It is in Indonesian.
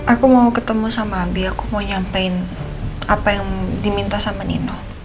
aku mau ketemu sama ambi aku mau nyampein apa yang diminta sama nino